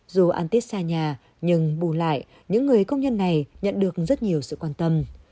dù ăn tiết xa nhà nhưng bù lại những người công nhân này nhận được rất nhiều sự quan tâm